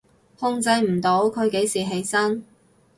控制唔到佢幾時起身？